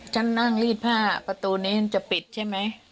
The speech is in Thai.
ฉันนั่งรีดผ้าประตูนี้ฉันจะปิดใช่ไหม